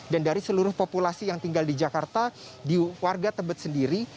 dan dari seluruh populasi yang tinggal di jakarta di warga tebet sendiri